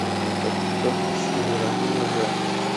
ubutaka bwo hasi burahamagara